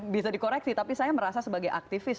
bisa dikoreksi tapi saya merasa sebagai aktivis